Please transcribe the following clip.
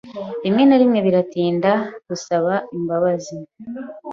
Rimwe na rimwe biratinda gusaba imbabazi.